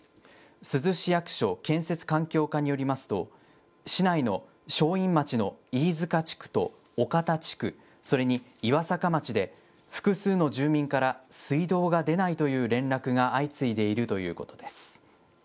珠洲市役所建設環境課によりますと、市内の正院町の飯塚地区と岡田地区、それに岩坂町で複数の住民から、水道が出ないという連絡が相次いでいるということです。